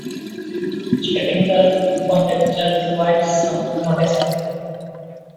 Stating the conjecture requires some notation.